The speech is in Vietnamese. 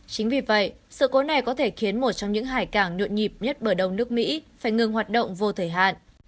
chính vì vậy sự cố này có thể khiến một trong những hải cảng nhuộn nhịp nhất bờ đông nước mỹ phải ngừng hoạt động vô thể hạn